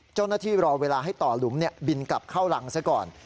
เจ้าหน้าที่รอเวลาให้ต่อหลุมบินกลับเข้าหลังซะก่อน